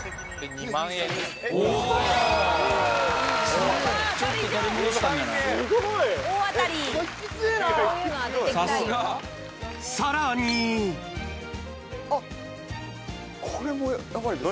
２万円ですね。